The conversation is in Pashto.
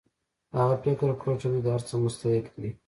هغه فکر کاوه چې دوی د هر څه مستحق دي